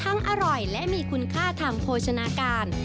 อร่อยและมีคุณค่าทางโภชนาการ